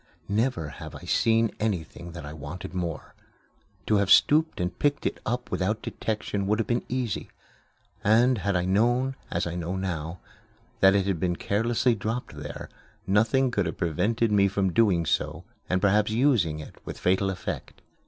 Never have I seen anything that I wanted more. To have stooped and picked it up without detection would have been easy; and had I known, as I know now, that it had been carelessly dropped there, nothing could have prevented me from doing so and perhaps using it with fatal effect.